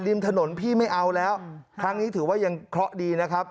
ริมถนนพี่ไม่เอาแล้วครั้งนี้ถือว่ายังเคราะห์ดีนะครับ